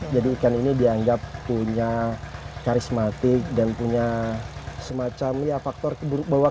jadi ikan ini dianggap punya karismatik dan punya semacam ya faktor yang sangat menarik